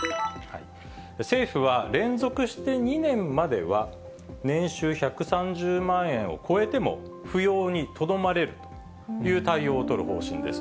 政府は連続して２年までは、年収１３０万円を超えても、扶養にとどまれるという対応を取る方針です。